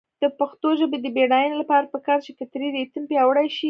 د پښتو ژبې د بډاینې لپاره پکار ده چې فطري ریتم پیاوړی شي.